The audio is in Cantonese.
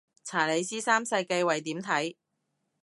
查理斯三世繼位點睇